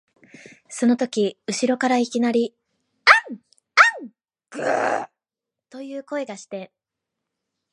そのとき後ろからいきなり、わん、わん、ぐゎあ、という声がして、